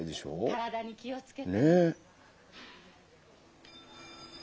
体に気をつけてね」。